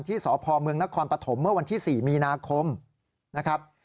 สพเมืองนครปฐมเมื่อวันที่๔มีนาคมนะครับ